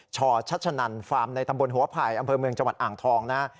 ชชัชนันฟาร์มในตำบลหัวไผ่อำเภอเมืองจังหวัดอ่างทองนะฮะ